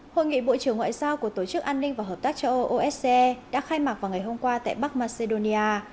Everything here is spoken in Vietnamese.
hội nghị bộ trưởng ngoại giao của tổ chức an ninh và hợp tác cho osce đã khai mạc vào ngày hôm qua tại bắc macedonia